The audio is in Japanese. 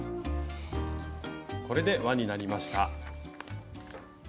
これで輪になりました。